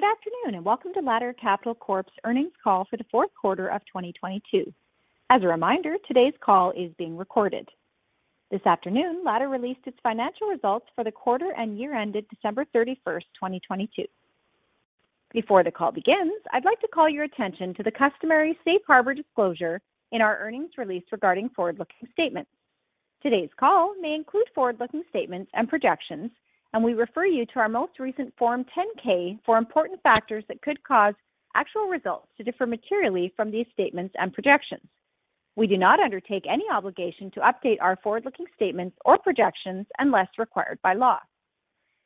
Good afternoon. Welcome to Ladder Capital Corp's earnings call for the fourth quarter of 2022. As a reminder, today's call is being recorded. This afternoon, Ladder released its financial results for the quarter and year-ended December 31st, 2022. Before the call begins, I'd like to call your attention to the customary safe harbor disclosure in our earnings release regarding forward-looking statements. Today's call may include forward-looking statements and projections, and we refer you to our most recent Form 10-K for important factors that could cause actual results to differ materially from these statements and projections. We do not undertake any obligation to update our forward-looking statements or projections unless required by law.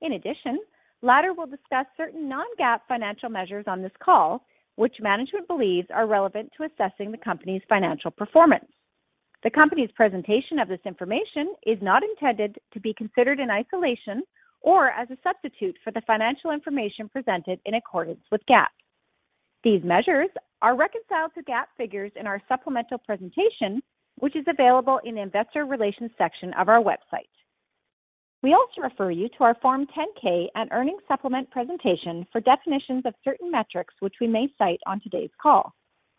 In addition, Ladder will discuss certain non-GAAP financial measures on this call, which management believes are relevant to assessing the company's financial performance. The company's presentation of this information is not intended to be considered in isolation or as a substitute for the financial information presented in accordance with GAAP. These measures are reconciled to GAAP figures in our supplemental presentation, which is available in the investor relations section of our website. We also refer you to our Form 10-K and earnings supplement presentation for definitions of certain metrics which we may cite on today's call.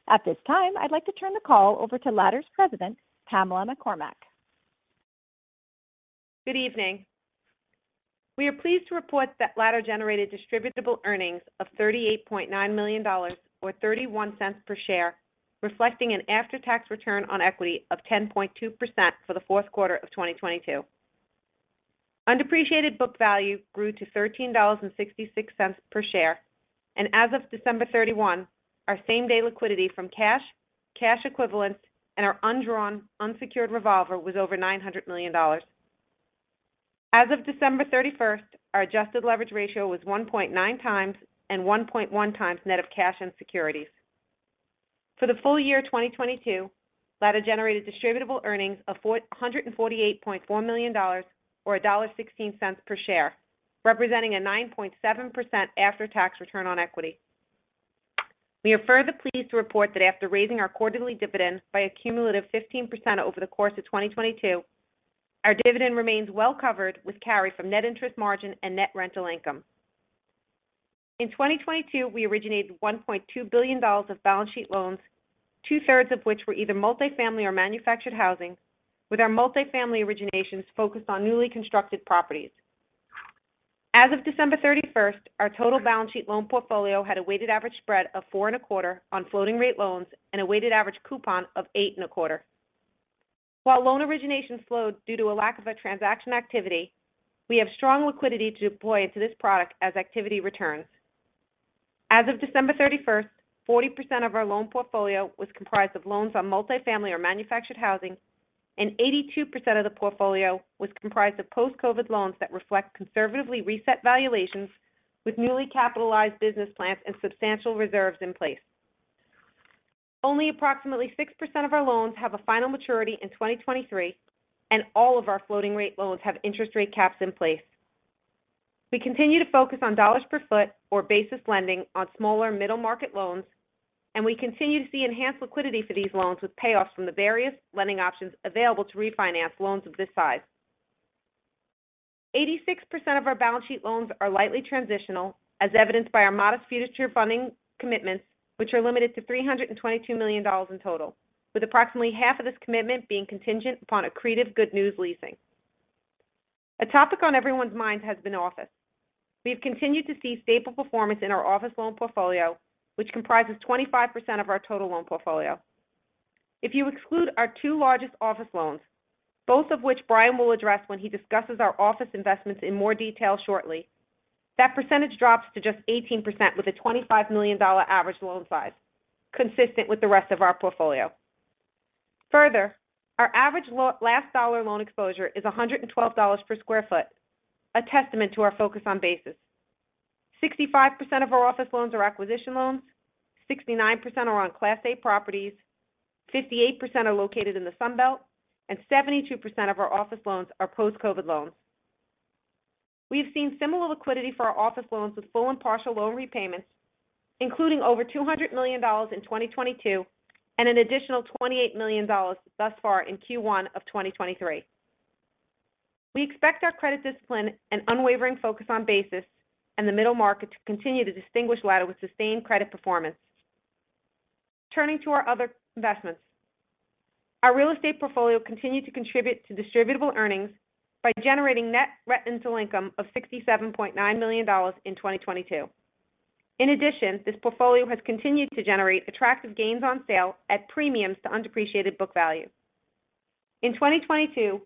At this time, I'd like to turn the call over to Ladder's President, Pamela McCormack. Good evening. We are pleased to report that Ladder generated distributable earnings of $38.9 million or 0.31 per share, reflecting an after-tax return on equity of 10.2% for the fourth quarter of 2022. Undepreciated book value grew to $13.66 per share, and as of December 31, our same-day liquidity from cash equivalents, and our undrawn unsecured revolver was over $900 million. As of December 31st, our adjusted leverage ratio was 1.9x and 1.1x net of cash and securities. For the full year 2022, Ladder generated distributable earnings of $448.4 million or $1.16 per share, representing a 9.7% after-tax return on equity. We are further pleased to report that after raising our quarterly dividend by a cumulative 15% over the course of 2022, our dividend remains well-covered with carry from net interest margin and net rental income. In 2022, we originated $1.2 billion of balance sheet loans, two-thirds of which were either multi-family or manufactured housing, with our multi-family originations focused on newly constructed properties. As of December 31st, our total balance sheet loan portfolio had a weighted average spread of 4.25 on floating rate loans and a weighted average coupon of 8.25. While loan originations slowed due to a lack of a transaction activity, we have strong liquidity to deploy into this product as activity returns. As of December 31st, 40% of our loan portfolio was comprised of loans on multifamily or manufactured housing, and 82% of the portfolio was comprised of post-COVID loans that reflect conservatively reset valuations with newly capitalized business plans and substantial reserves in place. Only approximately 6% of our loans have a final maturity in 2023, and all of our floating rate loans have interest rate caps in place. We continue to focus on dollars per foot or basis lending on smaller middle-market loans, and we continue to see enhanced liquidity for these loans with payoffs from the various lending options available to refinance loans of this size. 86% of our balance sheet loans are lightly transitional, as evidenced by our modest future funding commitments, which are limited to $322 million in total, with approximately half of this commitment being contingent upon accretive good news leasing. A topic on everyone's mind has been office. We've continued to see staple performance in our office loan portfolio, which comprises 25% of our total loan portfolio. If you exclude our two largest office loans, both of which Brian will address when he discusses our office investments in more detail shortly, that percentage drops to just 18% with a $25 million average loan size consistent with the rest of our portfolio. Our average last dollar loan exposure is $112 per sq ft, a testament to our focus on basis. 65% of our office loans are acquisition loans, 69% are on Class A properties, 58% are located in the Sun Belt, and 72% of our office loans are post-COVID loans. We've seen similar liquidity for our office loans with full and partial loan repayments, including over $200 million in 2022 and an additional $28 million thus far in Q1 of 2023. We expect our credit discipline and unwavering focus on basis and the middle market to continue to distinguish Ladder with sustained credit performance. Turning to our other investments. Our real estate portfolio continued to contribute to distributable earnings by generating net rental income of $67.9 million in 2022. In addition, this portfolio has continued to generate attractive gains on sale at premiums to undepreciated book value. In 2022,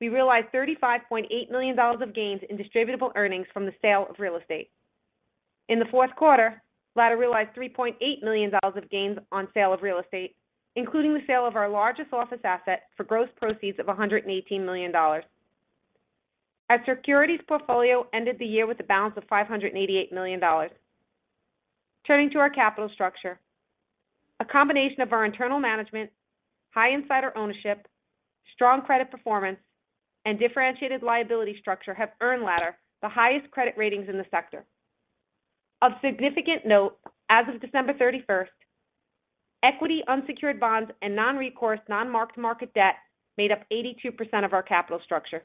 we realized $35.8 million of gains in distributable earnings from the sale of real estate. In the fourth quarter, Ladder realized $3.8 million of gains on sale of real estate, including the sale of our largest office asset for gross proceeds of $118 million. Our securities portfolio ended the year with a balance of $588 million. Turning to our capital structure. A combination of our internal management, high insider ownership, strong credit performance, and differentiated liability structure have earned Ladder the highest credit ratings in the sector. Of significant note, as of December 31st, equity unsecured bonds and non-recourse market debt made up 82% of our capital structure.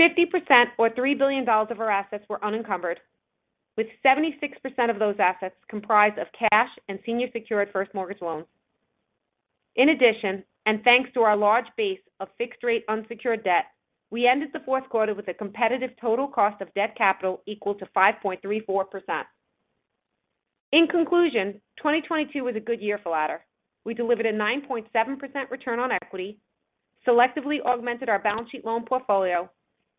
50% or $3 billion of our assets were unencumbered, with 76% of those assets comprised of cash and senior secured first mortgage loans. In addition, and thanks to our large base of fixed-rate unsecured debt, we ended the fourth quarter with a competitive total cost of debt capital equal to 5.34%. In conclusion, 2022 was a good year for Ladder. We delivered a 9.7% return on equity, selectively augmented our balance sheet loan portfolio,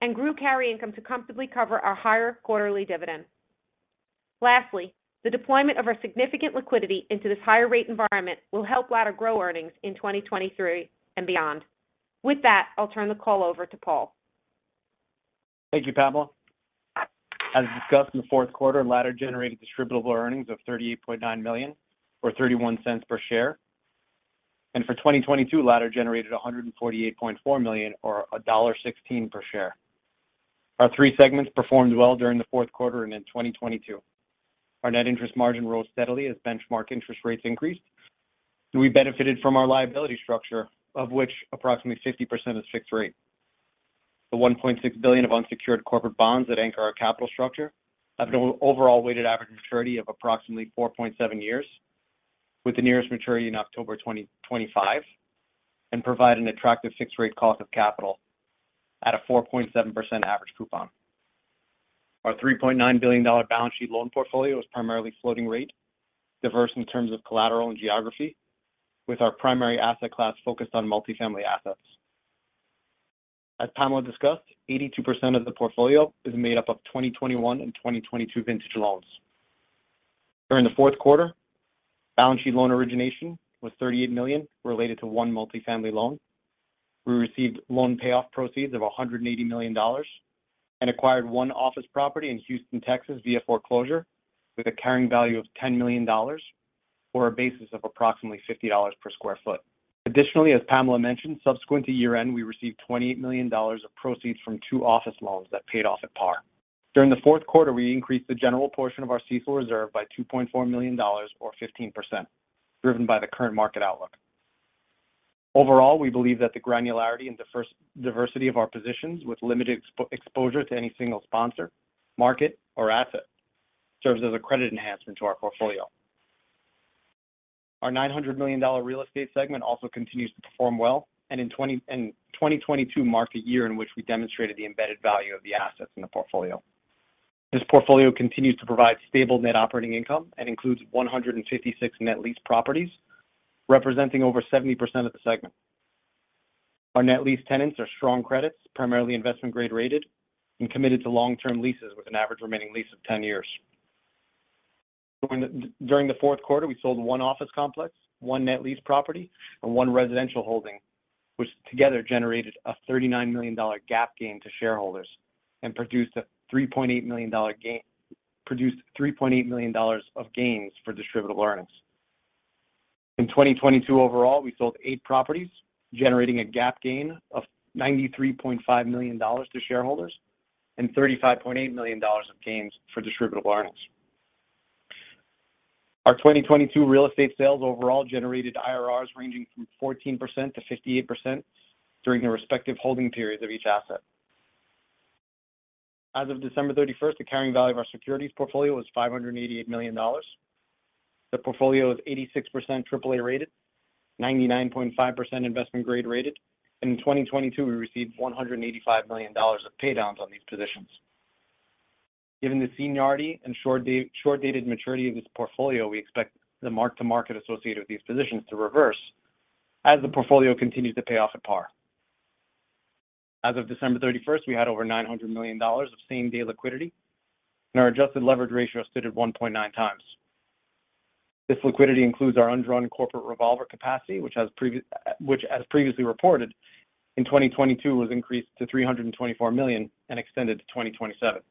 and grew carry income to comfortably cover our higher quarterly dividend. Lastly, the deployment of our significant liquidity into this higher rate environment will help Ladder grow earnings in 2023 and beyond. With that, I'll turn the call over to Paul. Thank you, Pamela. As discussed in the fourth quarter, Ladder generated distributable earnings of 38.9 million or 0.31 per share. For 2022, Ladder generated 148.4 million or $1.16 per share. Our three segments performed well during the fourth quarter and in 2022. Our net interest margin rose steadily as benchmark interest rates increased, and we benefited from our liability structure, of which approximately 50% is fixed-rate. The 1.6 billion of unsecured corporate bonds that anchor our capital structure have an overall weighted average maturity of approximately 4.7 years, with the nearest maturity in October 2025, and provide an attractive fixed rate cost of capital at a 4.7% average coupon. Our $3.9 billion balance sheet loan portfolio is primarily floating rate, diverse in terms of collateral and geography, with our primary asset class focused on multifamily assets. As Pamela discussed, 82% of the portfolio is made up of 2021 and 2022 vintage loans. During the fourth quarter, balance sheet loan origination was 38 million related to one multifamily loan. We received loan payoff proceeds of $180 million and acquired one office property in Houston, Texas, via foreclosure with a carrying value of $10 million or a basis of approximately $50 per sq ft. As Pamela mentioned, subsequent to year-end, we received $28 million of proceeds from two office loans that paid off at par. During the fourth quarter, we increased the general portion of our CECL reserve by $2.4 million or 15%, driven by the current market outlook. Overall, we believe that the granularity and diversity of our positions with limited exposure to any single sponsor, market, or asset serves as a credit enhancement to our portfolio. Our $900 million real estate segment also continues to perform well, and in 2022 marked a year in which we demonstrated the embedded value of the assets in the portfolio. This portfolio continues to provide stable net operating income and includes 156 net lease properties, representing over 70% of the segment. Our net lease tenants are strong credits, primarily investment grade rated and committed to long-term leases with an average remaining lease of 10 years. During the fourth quarter, we sold one office complex, one net lease property, and one residential holding, which together generated a $39 million GAAP gain to shareholders and produced a $3.8 million gain produced $3.8 million of gains for distributable earnings. In 2022 overall, we sold eight properties, generating a GAAP gain of $93.5 million to shareholders and $35.8 million of gains for distributable earnings. Our 2022 real estate sales overall generated IRRs ranging from 14%-58% during the respective holding periods of each asset. As of December 31st, the carrying value of our securities portfolio was $588 million. The portfolio is 86% AAA-rated, 99.5% investment grade-rated, and in 2022, we received $185 million of pay downs on these positions. Given the seniority and short dated maturity of this portfolio, we expect the mark-to-market associated with these positions to reverse as the portfolio continues to pay off at par. As of December 31st, we had over $900 million of same-day liquidity, and our adjusted leverage ratio stood at 1.9 times. This liquidity includes our undrawn corporate revolver capacity, which, as previously reported, in 2022 was increased to $324 million and extended to 2027.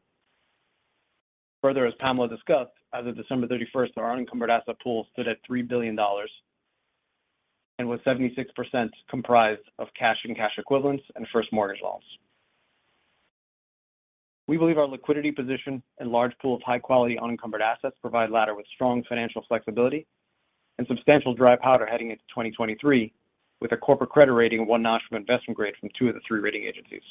Further, as Pamela discussed, as of December 31st, our unencumbered asset pool stood at $3 billion and was 76% comprised of cash and cash equivalents and first mortgage loans. We believe our liquidity position and large pool of high-quality unencumbered assets provide Ladder with strong financial flexibility and substantial dry powder heading into 2023 with a corporate credit rating of one notch from investment grade from two of the three rating agencies.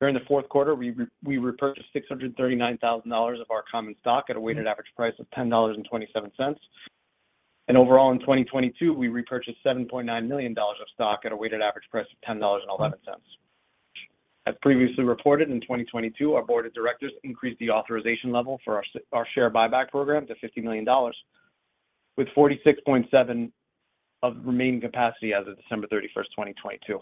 During the fourth quarter, we repurchased $639,000 of our common stock at a weighted average price of $10.27. Overall in 2022, we repurchased $7.9 million of stock at a weighted average price of $10.11. As previously reported in 2022, our board of directors increased the authorization level for our share buyback program to $50 million, with $46.7 million of remaining capacity as of December 31, 2022.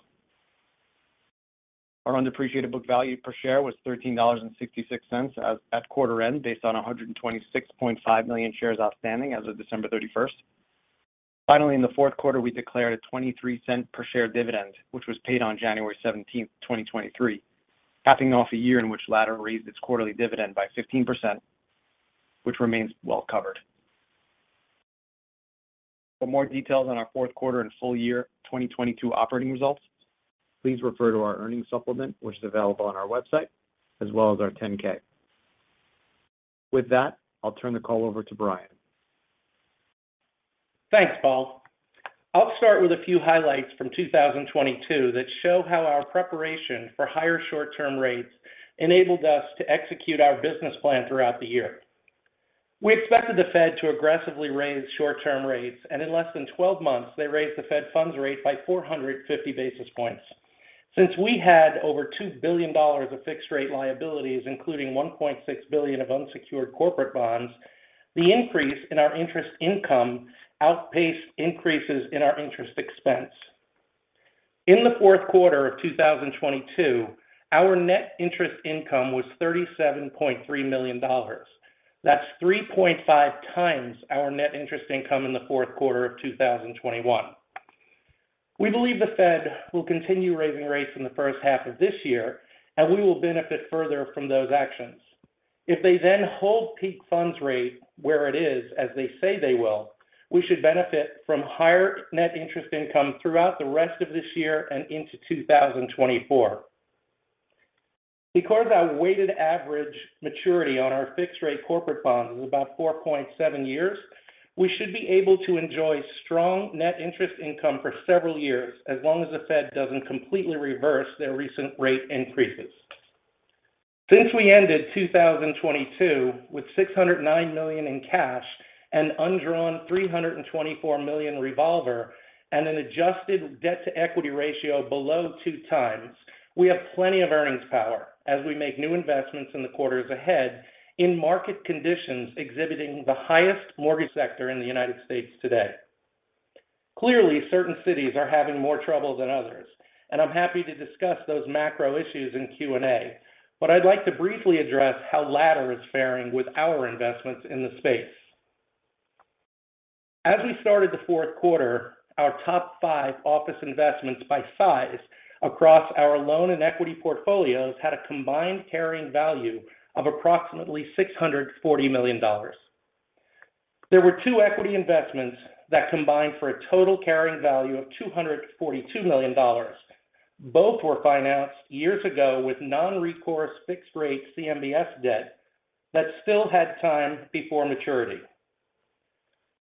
Our undepreciated book value per share was $13.66 at quarter end, based on 126.5 million shares outstanding as of December 31st. In the fourth quarter, we declared a 0.23 per share dividend, which was paid on January 17th, 2023, capping off a year in which Ladder raised its quarterly dividend by 15%, which remains well covered. For more details on our fourth quarter and full year 2022 operating results Please refer to our earnings supplement, which is available on our website, as well as our 10-K. With that, I'll turn the call over to Brian. Thanks, Paul. I'll start with a few highlights from 2022 that show how our preparation for higher short-term rates enabled us to execute our business plan throughout the year. We expected the Fed to aggressively raise short-term rates, and in less than 12 months, they raised the Fed funds rate by 450 basis points. Since we had over $2 billion of fixed rate liabilities, including $1.6 billion of unsecured corporate bonds, the increase in our interest income outpaced increases in our interest expense. In Q4 2022, our net interest income was $37.3 million. That's 3.5 times our net interest income in Q4 2021. We believe the Fed will continue raising rates in the first half of this year, and we will benefit further from those actions. If they hold peak funds rate where it is, as they say they will, we should benefit from higher net interest income throughout the rest of this year and into 2024. Our weighted average maturity on our fixed rate corporate bonds is about 4.7 years, we should be able to enjoy strong net interest income for several years as long as the Fed doesn't completely reverse their recent rate increases. We ended 2022 with 609 million in cash and undrawn 324 million revolver and an adjusted debt-to-equity ratio below two times, we have plenty of earnings power as we make new investments in the quarters ahead in market conditions exhibiting the highest mortgage sector in the United States today. Clearly, certain cities are having more trouble than others. I'm happy to discuss those macro issues in Q&A. I'd like to briefly address how Ladder is faring with our investments in the space. As we started the fourth quarter, our top five office investments by size across our loan and equity portfolios had a combined carrying value of approximately $640 million. There were two equity investments that combined for a total carrying value of $242 million. Both were financed years ago with non-recourse fixed rate CMBS debt that still had time before maturity.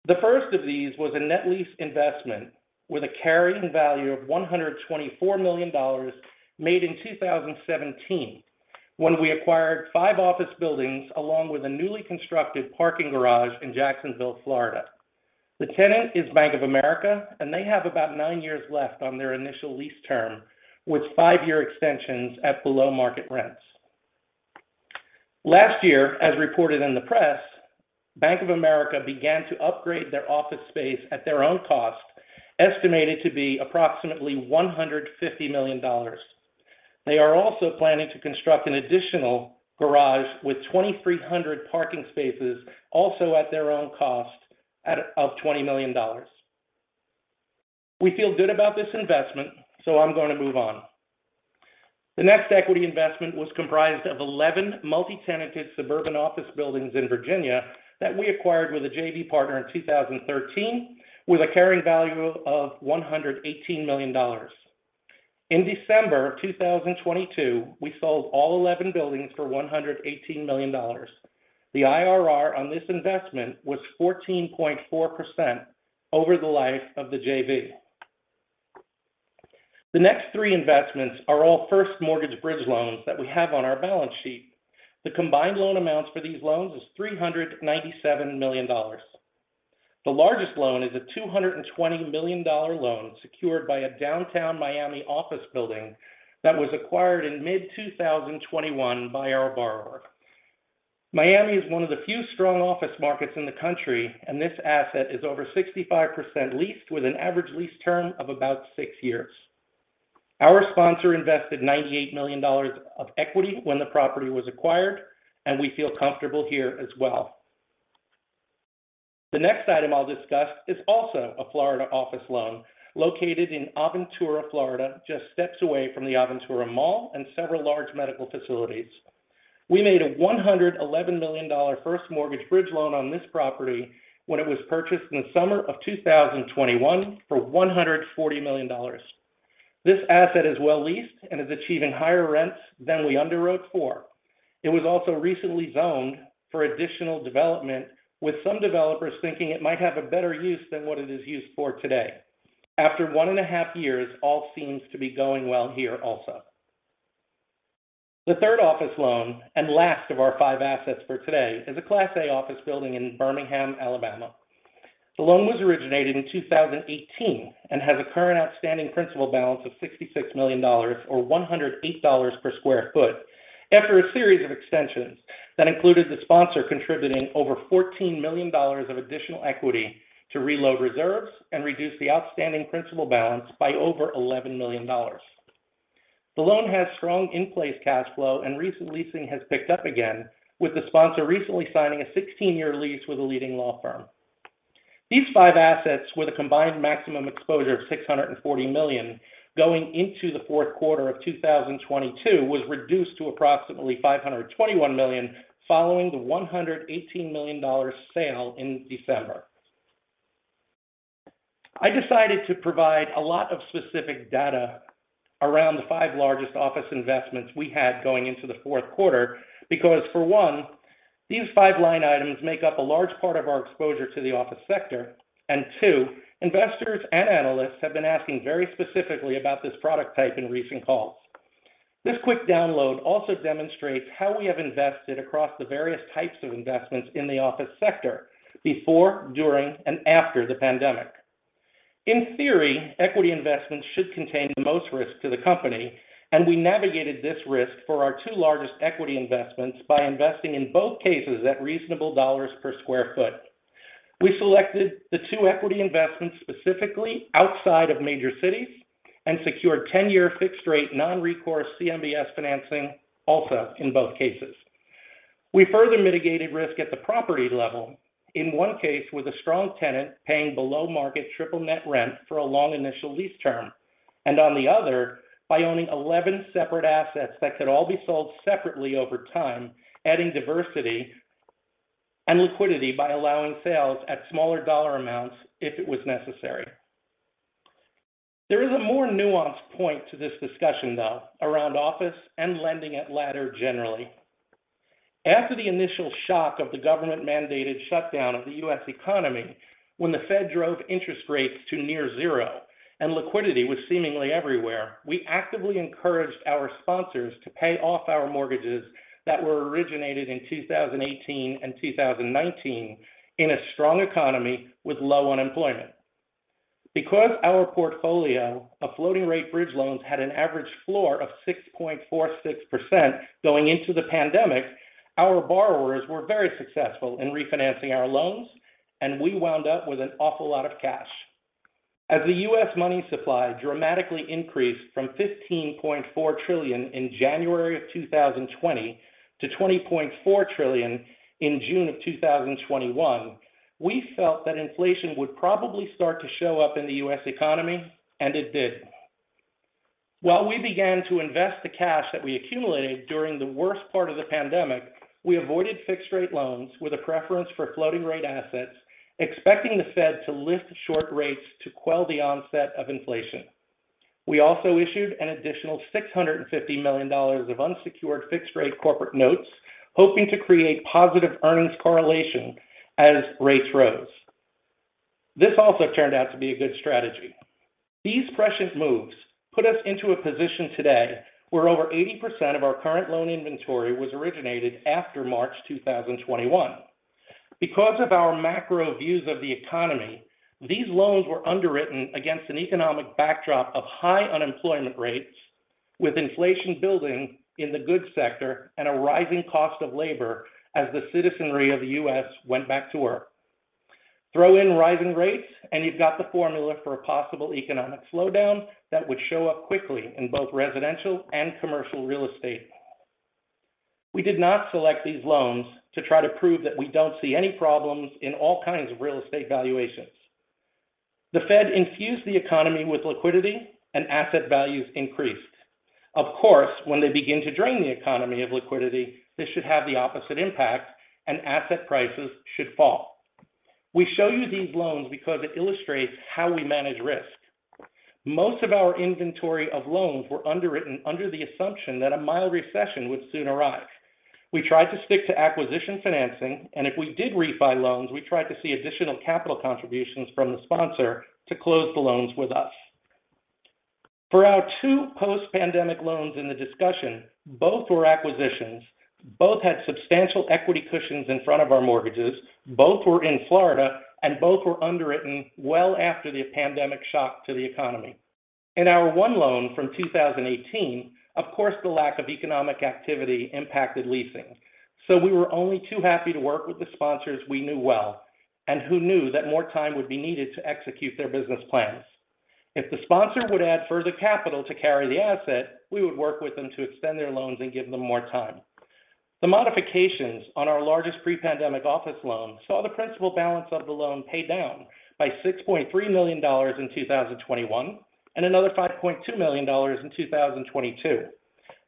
The first of these was a net lease investment with a carrying value of $124 million made in 2017 when we acquired five office buildings along with a newly constructed parking garage in Jacksonville, Florida. The tenant is Bank of America. They have about 9 years left on their initial lease term with five-year extensions at below-market rents. Last year, as reported in the press, Bank of America began to upgrade their office space at their own cost, estimated to be approximately $150 million. They are also planning to construct an additional garage with 2,300 parking spaces, also at their own cost of $20 million. We feel good about this investment. I'm going to move on. The next equity investment was comprised of 11 multi-tenanted suburban office buildings in Virginia that we acquired with a JV partner in 2013, with a carrying value of $118 million. In December of 2022, we sold all 11 buildings for $118 million. The IRR on this investment was 14.4% over the life of the JV. The next three investments are all first mortgage bridge loans that we have on our balance sheet. The combined loan amounts for these loans is $397 million. The largest loan is a $220 million loan secured by a downtown Miami office building that was acquired in mid-2021 by our borrower. Miami is one of the few strong office markets in the country, and this asset is over 65% leased, with an average lease term of about 6 years. Our sponsor invested $98 million of equity when the property was acquired, and we feel comfortable here as well. The next item I'll discuss is also a Florida office loan located in Aventura, Florida, just steps away from the Aventura Mall and several large medical facilities. We made a $111 million first mortgage bridge loan on this property when it was purchased in the summer of 2021 for $140 million. This asset is well leased and is achieving higher rents than we underwrote for. It was also recently zoned for additional development, with some developers thinking it might have a better use than what it is used for today. After one and a half years, all seems to be going well here also. The third office loan, and last of our five assets for today, is a Class A office building in Birmingham, Alabama. The loan was originated in 2018 and has a current outstanding principal balance of $66 million, or $108 per square foot, after a series of extensions that included the sponsor contributing over $14 million of additional equity to reload reserves and reduce the outstanding principal balance by over $11 million. The loan has strong in-place cash flow, and recent leasing has picked up again, with the sponsor recently signing a 16-year lease with a leading law firm. These five assets, with a combined maximum exposure of 640 million going into the fourth quarter of 2022, was reduced to approximately 521 million following the 118 million sale in December. I decided to provide a lot of specific data around the five largest office investments we had going into the fourth quarter because for one, these five line items make up a large part of our exposure to the office sector. Two, investors and analysts have been asking very specifically about this product type in recent calls. This quick download also demonstrates how we have invested across the various types of investments in the office sector before, during, and after the pandemic. In theory, equity investments should contain the most risk to the company, and we navigated this risk for our two largest equity investments by investing in both cases at reasonable dolars per square foot. We selected the two equity investments specifically outside of major cities and secured 10-year fixed rate non-recourse CMBS financing also in both cases. We further mitigated risk at the property level, in one case with a strong tenant paying below market triple net rent for a long initial lease term. On the other, by owning 11 separate assets that could all be sold separately over time, adding diversity and liquidity by allowing sales at smaller dollar amounts if it was necessary. There is a more nuanced point to this discussion, though, around office and lending at Ladder generally. After the initial shock of the government-mandated shutdown of the U.S. economy, when the Fed drove interest rates to near zero and liquidity was seemingly everywhere, we actively encouraged our sponsors to pay off our mortgages that were originated in 2018 and 2019 in a strong economy with low unemployment. Because our portfolio of floating rate bridge loans had an average floor of 6.46% going into the pandemic, our borrowers were very successful in refinancing our loans, and we wound up with an awful lot of cash. As the U.S. money supply dramatically increased from 15.4 trillion in January of 2020-20.4 trillion in June of 2021, we felt that inflation would probably start to show up in the U.S. economy, and it did. While we began to invest the cash that we accumulated during the worst part of the pandemic, we avoided fixed rate loans with a preference for floating rate assets, expecting the Fed to lift short rates to quell the onset of inflation. We also issued an additional $650 million of unsecured fixed rate corporate notes, hoping to create positive earnings correlation as rates rose. This also turned out to be a good strategy. These precious moves put us into a position today where over 80% of our current loan inventory was originated after March 2021. Because of our macro views of the economy, these loans were underwritten against an economic backdrop of high unemployment rates with inflation building in the goods sector and a rising cost of labor as the citizenry of the U.S. went back to work. Throw in rising rates, and you've got the formula for a possible economic slowdown that would show up quickly in both residential and commercial real estate. We did not select these loans to try to prove that we don't see any problems in all kinds of real estate valuations. The Fed infused the economy with liquidity and asset values increased. Of course, when they begin to drain the economy of liquidity, this should have the opposite impact and asset prices should fall. We show you these loans because it illustrates how we manage risk. Most of our inventory of loans were underwritten under the assumption that a mild recession would soon arrive. We tried to stick to acquisition financing, and if we did refi loans, we tried to see additional capital contributions from the sponsor to close the loans with us. For our two post-pandemic loans in the discussion, both were acquisitions, both had substantial equity cushions in front of our mortgages, both were in Florida, and both were underwritten well after the pandemic shock to the economy. In our one loan from 2018, of course, the lack of economic activity impacted leasing. We were only too happy to work with the sponsors we knew well and who knew that more time would be needed to execute their business plans. If the sponsor would add further capital to carry the asset, we would work with them to extend their loans and give them more time. The modifications on our largest pre-pandemic office loan saw the principal balance of the loan paid down by $6.3 million in 2021 and another $5.2 million in 2022.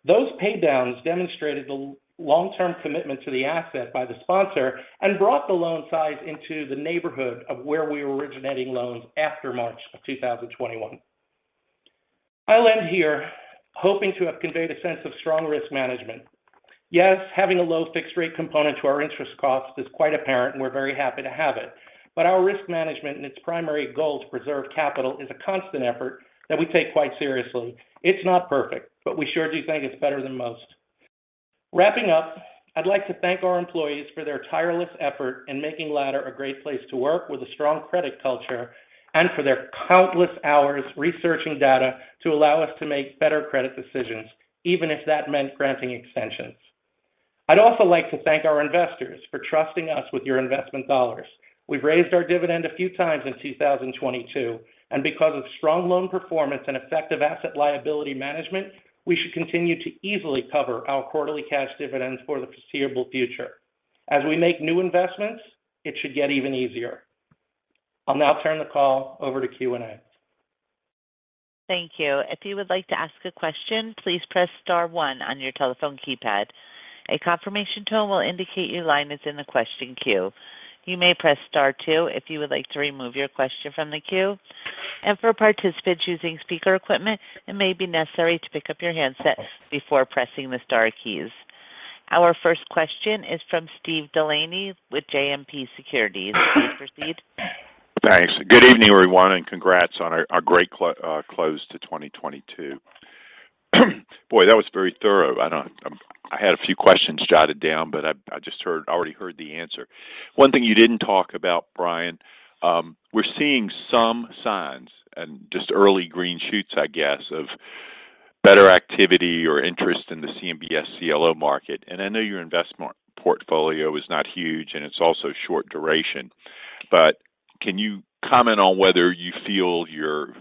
Those paydowns demonstrated the long-term commitment to the asset by the sponsor and brought the loan size into the neighborhood of where we were originating loans after March of 2021. I'll end here hoping to have conveyed a sense of strong risk management. Yes, having a low fixed rate component to our interest cost is quite apparent, and we're very happy to have it. Our risk management and its primary goal to preserve capital is a constant effort that we take quite seriously. It's not perfect, but we sure do think it's better than most. Wrapping up, I'd like to thank our employees for their tireless effort in making Ladder a great place to work with a strong credit culture and for their countless hours researching data to allow us to make better credit decisions, even if that meant granting extensions. I'd also like to thank our investors for trusting us with your investment dollars. We've raised our dividend a few times in 2022. Because of strong loan performance and effective asset liability management, we should continue to easily cover our quarterly cash dividends for the foreseeable future. As we make new investments, it should get even easier. I'll now turn the call over to Q&A. Thank you. If you would like to ask a question, please press star one on your telephone keypad. A confirmation tone will indicate your line is in the question queue. You may press star two if you would like to remove your question from the queue. For participants using speaker equipment, it may be necessary to pick up your handset before pressing the star keys. Our first question is from Steve DeLaney with JMP Securities. Please proceed. Thanks. Good evening, everyone, congrats on a great close to 2022. Boy, that was very thorough. I had a few questions jotted down, but I already heard the answer. One thing you didn't talk about, Brian, we're seeing some signs and just early green shoots, I guess, of better activity or interest in the CMBS CLO market. I know your investment portfolio is not huge, and it's also short duration. Can you comment on whether you feel your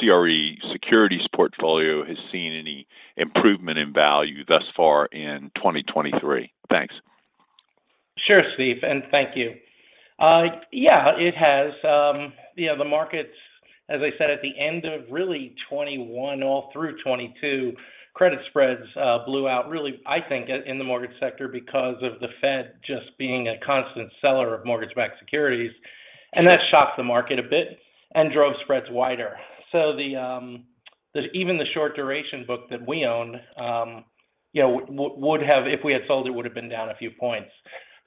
CRE securities portfolio has seen any improvement in value thus far in 2023? Thanks. Sure, Steve, thank you. Yeah, it has. You know, the markets, as I said, at the end of really 21 all through 22, credit spreads, blew out really, I think in the mortgage sector because of the Fed just being a constant seller of mortgage-backed securities. That shocked the market a bit and drove spreads wider. The even the short duration book that we own, you know, would have if we had sold it, would have been down a few points.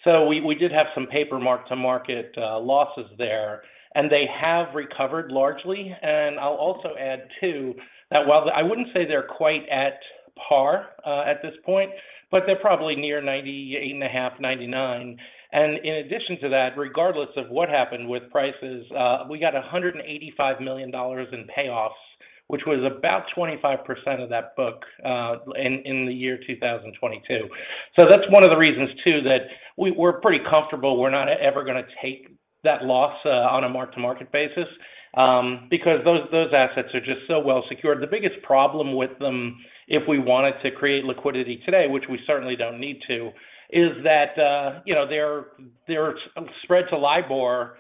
We did have some paper mark-to-market losses there, and they have recovered largely. I'll also add, too, that while I wouldn't say they're quite at par, at this point, but they're probably near 90, 80.5, 99. In addition to that, regardless of what happened with prices, we got $185 million in payoffs, which was about 25% of that book, in 2022. That's one of the reasons, too, that we're pretty comfortable we're not ever gonna take that loss on a mark-to-market basis, because those assets are just so well secured. The biggest problem with them if we wanted to create liquidity today, which we certainly don't need to, is that, you know, their spread to LIBOR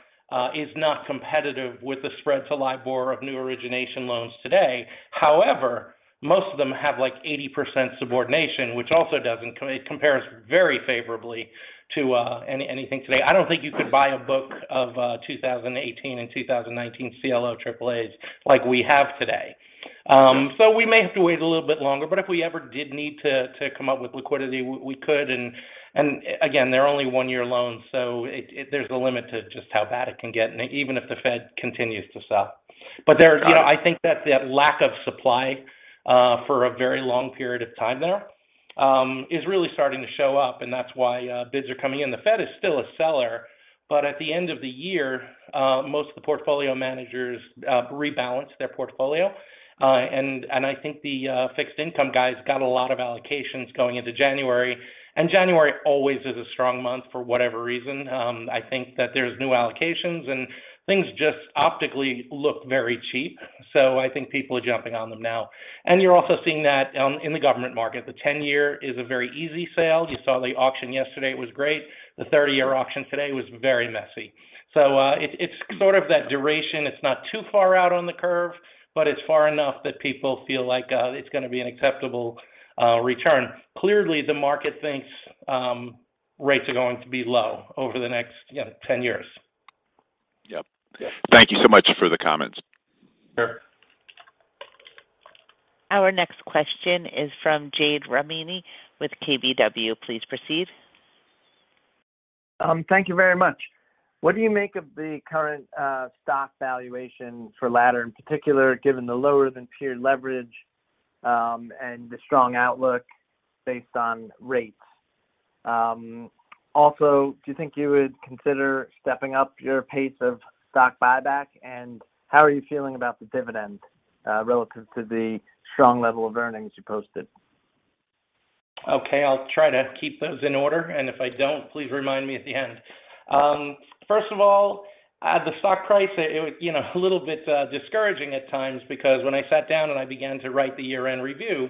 is not competitive with the spread to LIBOR of new origination loans today. However, most of them have, like, 80% subordination, which also doesn't it compares very favorably to anything today. I don't think you could buy a book of, 2018 and 2019 CLO AAAs like we have today. We may have to wait a little bit longer, but if we ever did need to come up with liquidity, we could. Again, they're only one-year loans, so there's a limit to just how bad it can get, and even if the Fed continues to sell. There's. Got it.... you know, I think that the lack of supply for a very long period of time there is really starting to show up, and that's why bids are coming in. The Fed is still a seller, but at the end of the year, most of the portfolio managers rebalance their portfolio. I think the fixed income guys got a lot of allocations going into January. January always is a strong month for whatever reason. I think that there's new allocations, and things just optically look very cheap. I think people are jumping on them now. You're also seeing that in the government market. The 10-year is a very easy sale. You saw the auction yesterday. It was great. The 30-year auction today was very messy. So, it's sort of that duration. It's not too far out on the curve, but it's far enough that people feel like, it's gonna be an acceptable, return. Clearly, the market thinks, rates are going to be low over the next, you know, 10 years. Yep. Yeah. Thank you so much for the comments. Sure. Our next question is from Jade Rahmani with KBW. Please proceed. Thank you very much. What do you make of the current stock valuation for Ladder in particular, given the lower than peer leverage and the strong outlook based on rates? Also, do you think you would consider stepping up your pace of stock buyback? How are you feeling about the dividend relative to the strong level of earnings you posted? Okay, I'll try to keep those in order, if I don't, please remind me at the end. First of all, the stock price, you know, a little bit discouraging at times because when I sat down and I began to write the year-end review,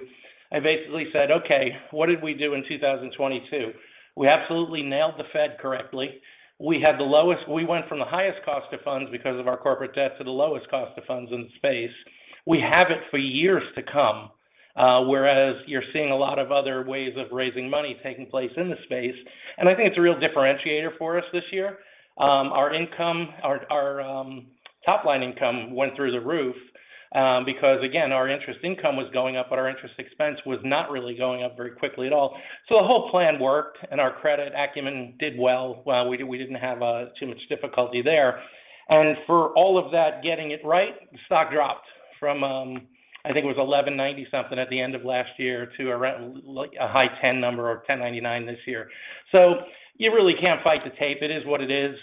I basically said, "Okay, what did we do in 2022? We absolutely nailed the Fed correctly. We went from the highest cost of funds because of our corporate debt to the lowest cost of funds in the space. We have it for years to come, whereas you're seeing a lot of other ways of raising money taking place in the space. I think it's a real differentiator for us this year. Our income, our top-line income went through the roof because again, our interest income was going up, but our interest expense was not really going up very quickly at all. The whole plan worked, and our credit acumen did well. We didn't have too much difficulty there. For all of that getting it right, the stock dropped from, I think it was eleven ninety something at the end of last year to around like a high ten number or 10.99 this year. You really can't fight the tape. It is what it is.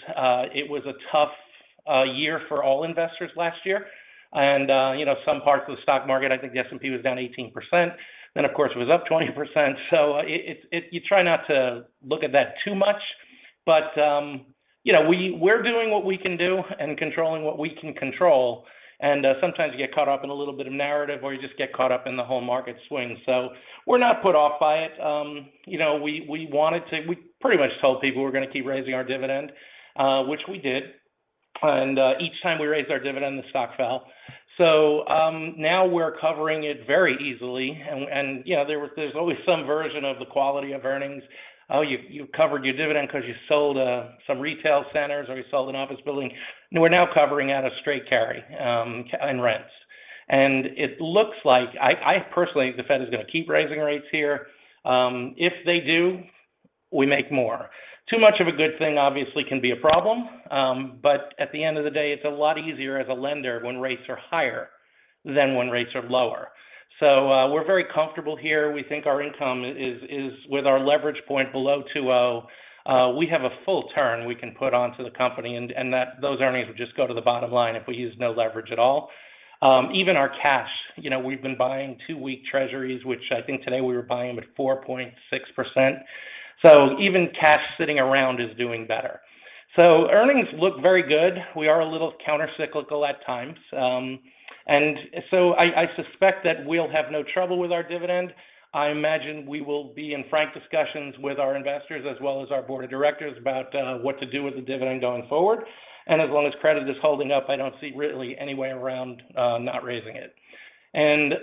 It was a tough year for all investors last year. You know, some parts of the stock market, I think the S&P was down 18%, then of course it was up 20%. It, you try not to look at that too much. You know, we're doing what we can do and controlling what we can control. Sometimes you get caught up in a little bit of narrative or you just get caught up in the whole market swing. We're not put off by it. You know, We pretty much told people we're gonna keep raising our dividend, which we did. Each time we raised our dividend, the stock fell. Now we're covering it very easily. You know, there's always some version of the quality of earnings. Oh, you covered your dividend 'cause you sold some retail centers or you sold an office building. No, we're now covering at a straight carry in rents. It looks like... I personally, the Fed is gonna keep raising rates here. If they do, we make more. Too much of a good thing obviously can be a problem. At the end of the day, it's a lot easier as a lender when rates are higher than when rates are lower. We're very comfortable here. We think our income is with our leverage point below 2.0, we have a full turn we can put onto the company and those earnings would just go to the bottom line if we use no leverage at all. Even our cash, you know, we've been buying two-week treasuries, which I think today we were buying them at 4.6%. Even cash sitting around is doing better. Earnings look very good. We are a little countercyclical at times. I suspect that we'll have no trouble with our dividend. I imagine we will be in frank discussions with our investors as well as our board of directors about what to do with the dividend going forward. As long as credit is holding up, I don't see really any way around not raising it.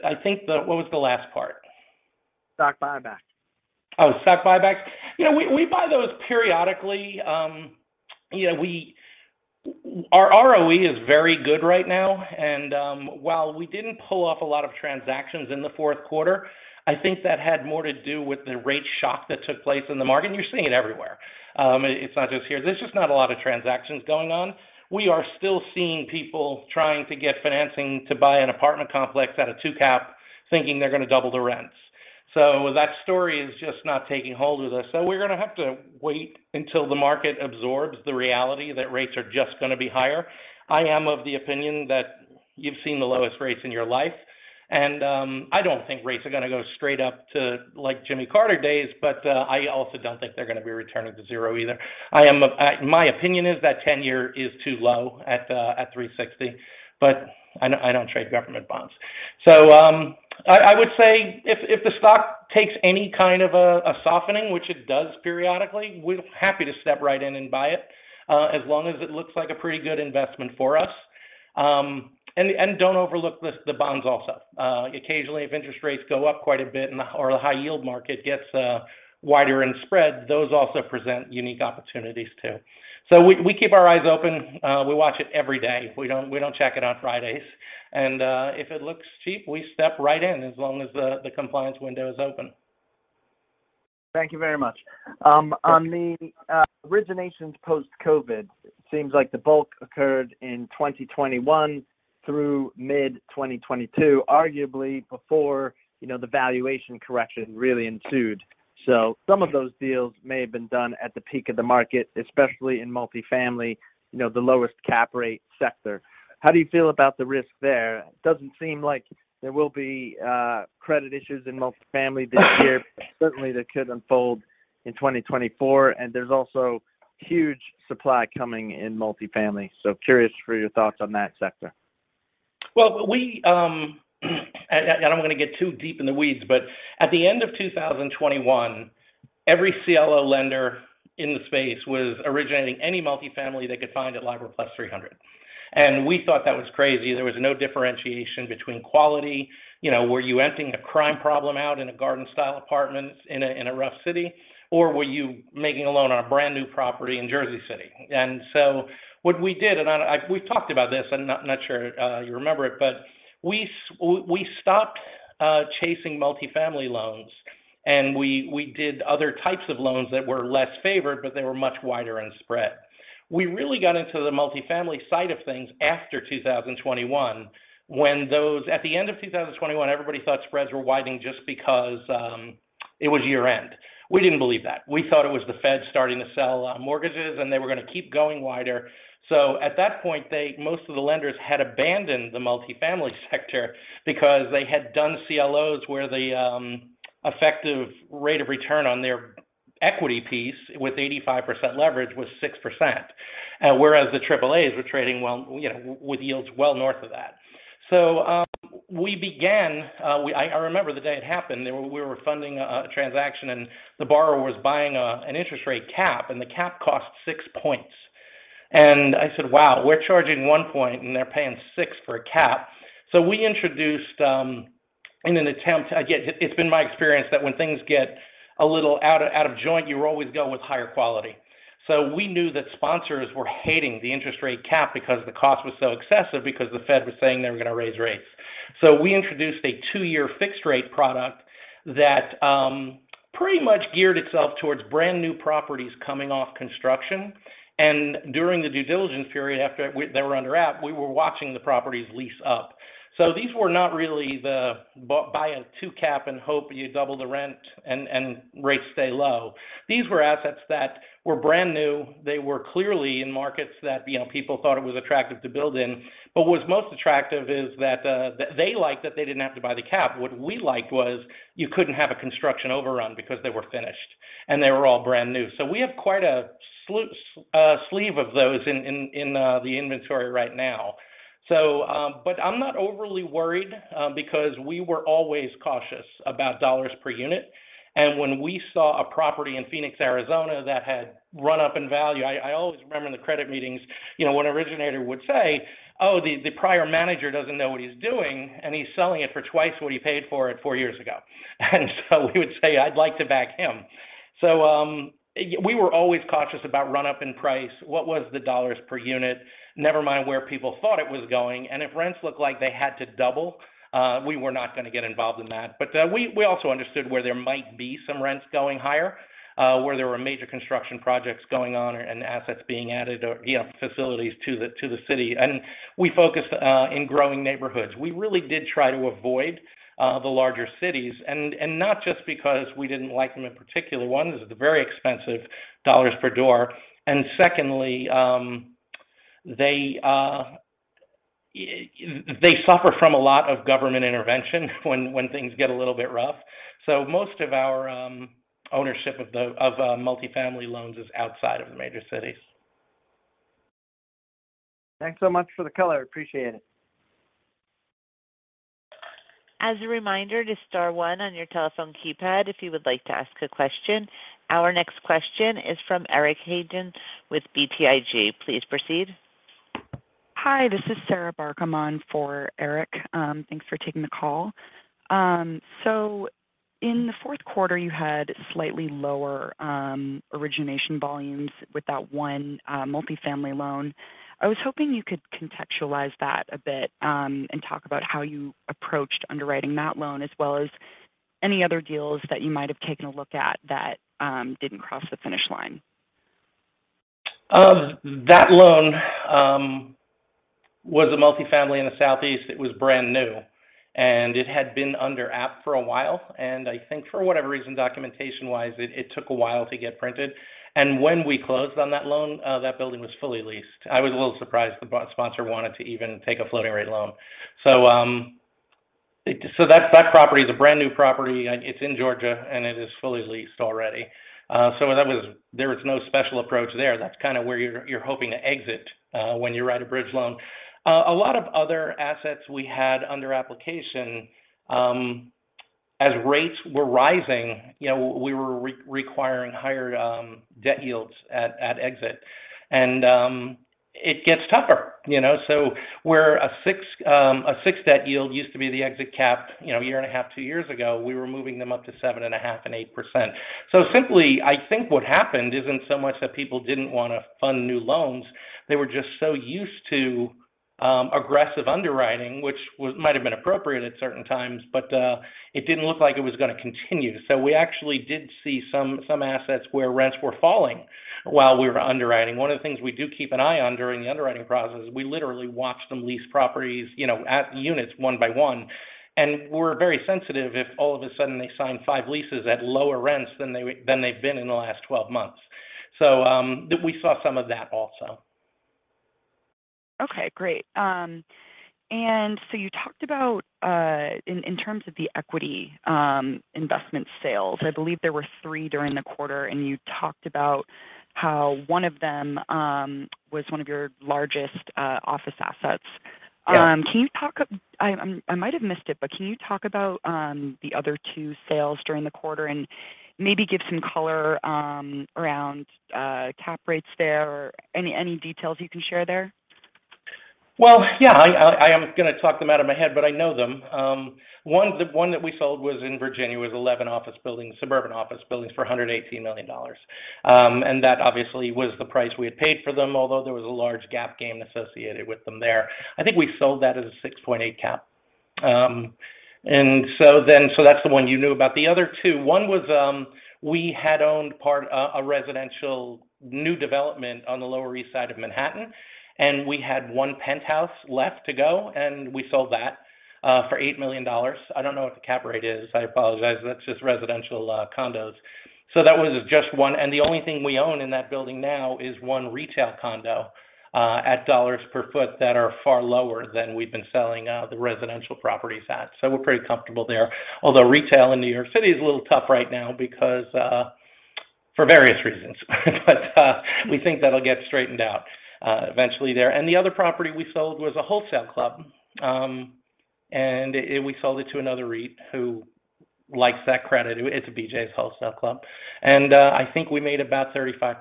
I think the... What was the last part? Stock buyback. Oh, stock buybacks. You know, we buy those periodically. You know, Our ROE is very good right now. While we didn't pull off a lot of transactions in the fourth quarter, I think that had more to do with the rate shock that took place in the market, and you're seeing it everywhere. It's not just here. There's just not a lot of transactions going on. We are still seeing people trying to get financing to buy an apartment complex at a two cap thinking they're gonna double the rents. That story is just not taking hold with us. We're gonna have to wait until the market absorbs the reality that rates are just gonna be higher. I am of the opinion that you've seen the lowest rates in your life. I don't think rates are gonna go straight up to like Jimmy Carter days. I also don't think they're gonna be returning to zero either. My opinion is that ten-year is too low at 360, but I don't trade government bonds. I would say if the stock takes any kind of a softening, which it does periodically, we're happy to step right in and buy it as long as it looks like a pretty good investment for us. Don't overlook this, the bonds also. Occasionally, if interest rates go up quite a bit or the high yield market gets wider in spread, those also present unique opportunities too. We keep our eyes open. We watch it every day. We don't check it on Fridays. If it looks cheap, we step right in as long as the compliance window is open. Thank you very much. Sure. On the originations post COVID, it seems like the bulk occurred in 2021 through mid 2022, arguably before, you know, the valuation correction really ensued. Some of those deals may have been done at the peak of the market, especially in multifamily, you know, the lowest cap rate sector. How do you feel about the risk there? It doesn't seem like there will be credit issues in multifamily this year. Certainly, that could unfold in 2024, and there's also huge supply coming in multifamily. Curious for your thoughts on that sector. Well, we, and I'm gonna get too deep in the weeds, but at the end of 2021, every CLO lender in the space was originating any multifamily they could find at LIBOR plus 300. We thought that was crazy. There was no differentiation between quality. You know, were you renting a crime problem out in a garden-style apartment in a rough city, or were you making a loan on a brand-new property in Jersey City? What we did, and I we've talked about this. I'm not sure you remember it, but we stopped chasing multifamily loans, and we did other types of loans that were less favored, but they were much wider in spread. We really got into the multifamily side of things after 2021 when those... At the end of 2021, everybody thought spreads were widening just because it was year-end. We didn't believe that. We thought it was the Fed starting to sell mortgages, and they were gonna keep going wider. At that point, most of the lenders had abandoned the multifamily sector because they had done CLOs where the effective rate of return on their equity piece with 85% leverage was 6%. Whereas the AAAs were trading well, you know, with yields well north of that. We began, I remember the day it happened. We were funding a transaction, and the borrower was buying an interest rate cap, and the cap cost six point. I said, "Wow, we're charging one point, and they're paying six for a cap." We introduced, in an attempt... Again, it's been my experience that when things get a little out of joint, you always go with higher quality. We knew that sponsors were hating the interest rate cap because the cost was so excessive because the Fed was saying they were gonna raise rates. We introduced a two-year fixed rate product that pretty much geared itself towards brand-new properties coming off construction. During the due diligence period, after they were under app, we were watching the properties lease up. These were not really the buy a two-cap and hope you double the rent and rates stay low. These were assets that were brand new. They were clearly in markets that, you know, people thought it was attractive to build in. What's most attractive is that they liked that they didn't have to buy the cap. What we liked was you couldn't have a construction overrun because they were finished, and they were all brand new. We have quite a sleeve of those in the inventory right now. I'm not overly worried because we were always cautious about dollars per unit. When we saw a property in Phoenix, Arizona that had run up in value... I always remember in the credit meetings, you know, one originator would say, "Oh, the prior manager doesn't know what he's doing, and he's selling it for twice what he paid for it four years ago." We would say, "I'd like to back him." We were always cautious about run-up in price, what was the dollars per unit, never mind where people thought it was going. If rents looked like they had to double, we were not gonna get involved in that. We also understood where there might be some rents going higher, where there were major construction projects going on and assets being added or, you know, facilities to the city. We focused in growing neighborhoods. We really did try to avoid the larger cities, and not just because we didn't like them in particular. One, this is very expensive dollars per door. Secondly, they suffer from a lot of government intervention when things get a little bit rough. Most of our ownership of the multifamily loans is outside of the major cities. Thanks so much for the color. Appreciate it. As a reminder to star one on your telephone keypad if you would like to ask a question. Our next question is from Eric Hagen with BTIG. Please proceed. Hi, this is Sarah Barcomb That loan was a multifamily in the southeast. It was brand new, and it had been under app for a while. I think for whatever reason, documentation-wise, it took a while to get printed. When we closed on that loan, that building was fully leased. I was a little surprised the sponsor wanted to even take a floating rate loan. That property is a brand new property. It's in Georgia, and it is fully leased already. There was no special approach there. That's kinda where you're hoping to exit when you write a bridge loan. A lot of other assets we had under application, as rates were rising, you know, we were re-requiring higher debt yields at exit. It gets tougher, you know. Where a six, a six debt yield used to be the exit cap, you know, a year and a half, two years ago, we were moving them up to 7.5 and 8%. Simply, I think what happened isn't so much that people didn't wanna fund new loans. They were just so used to aggressive underwriting, which might have been appropriate at certain times, but it didn't look like it was gonna continue. We actually did see some assets where rents were falling while we were underwriting. One of the things we do keep an eye on during the underwriting process is we literally watch them lease properties, you know, at units one by one. We're very sensitive if all of a sudden they sign 5 leases at lower rents than they, than they've been in the last 12 months. We saw some of that also. Okay, great. You talked about in terms of the equity, investment sales. I believe there were three during the quarter, and you talked about how one of them was one of your largest office assets. Yeah. I might have missed it, but can you talk about the other two sales during the quarter and maybe give some color around cap rates there or any details you can share there? Well, yeah. I'm gonna talk them out of my head, but I know them. One, the one that we sold was in Virginia. It was 11 office buildings, suburban office buildings for $118 million. That obviously was the price we had paid for them, although there was a large GAAP gain associated with them there. I think we sold that as a 6.8 cap. That's the one you knew about. The other two, one was, we had owned part, a residential new development on the Lower East Side of Manhattan, and we had one penthouse left to go, and we sold that for $8 million. I don't know what the cap rate is. I apologize. That's just residential condos. That was just one. The only thing we own in that building now is one retail condo, at dollars per foot that are far lower than we've been selling the residential properties at. We're pretty comfortable there. Although retail in New York City is a little tough right now because for various reasons. We think that'll get straightened out eventually there. The other property we sold was a wholesale club. We sold it to another REIT who likes that credit. It's a BJ's Wholesale Club. I think we made about 35%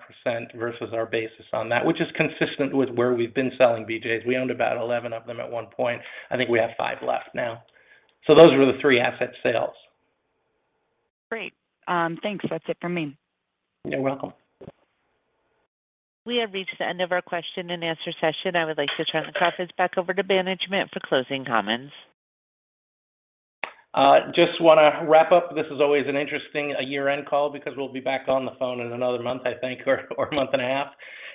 versus our basis on that, which is consistent with where we've been selling BJ's. We owned about 11 of them at one point. I think we have five left now. Those were the three asset sales. Great. Thanks. That's it for me. You're welcome. We have reached the end of our question and answer session. I would like to turn the conference back over to management for closing comments. Just wanna wrap up. This is always an interesting year-end call because we'll be back on the phone in another month, I think, or a month and a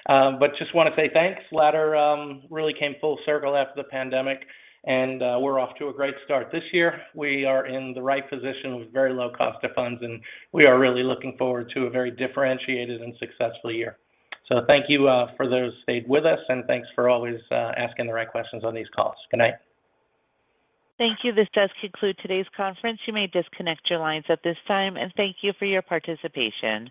half. Just wanna say thanks. Ladder really came full circle after the pandemic, and we're off to a great start this year. We are in the right position with very low cost of funds, and we are really looking forward to a very differentiated and successful year. Thank you for those who stayed with us, and thanks for always asking the right questions on these calls. Good night. Thank you. This does conclude today's conference. You may disconnect your lines at this time. Thank you for your participation.